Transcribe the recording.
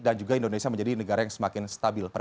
dan juga indonesia menjadi negara yang lebih baik